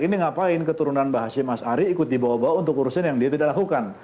ini ngapain keturunan mbah hashim mas ari ikut dibawa bawa untuk urusan yang dia tidak lakukan